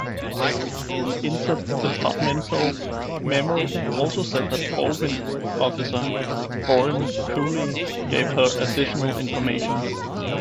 An interdepartmental memo also said that Baldwin officer Warren Cooley gave her additional information.